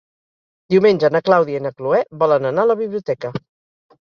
Diumenge na Clàudia i na Cloè volen anar a la biblioteca.